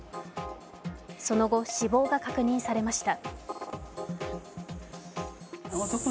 その後、死亡が確認されました。